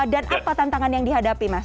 dan apa tantangan yang dihadapi mas